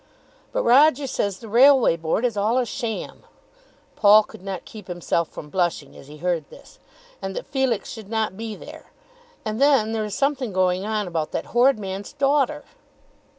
"But Roger says the Railway Board is all a sham," Paul could not keep himself from blushing as he heard this, "and that Felix should not be there. And then there is something going on about that horrid man's daughter."